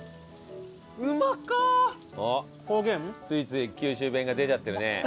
おっついつい九州弁が出ちゃってるね。